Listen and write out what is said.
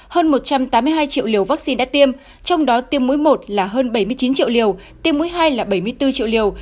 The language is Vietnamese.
hơn một trăm tám mươi hai triệu liều vaccine đã tiêm trong đó tiêm mũi một là hơn bảy mươi chín triệu liều tiêm mũi hai là bảy mươi bốn triệu liều